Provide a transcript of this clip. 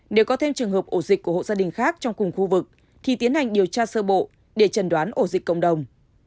nếu có thêm trường hợp ổ dịch của hộ gia đình khác trong cùng khu vực thì tiến hành điều tra sơ bộ để trần đoán ổ dịch cộng đồng